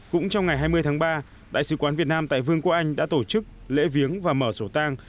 cũng trong ngày hai mươi tháng ba đại sứ quán việt nam tại vương quốc anh đã tổ chức lễ viếng và mở sổ tang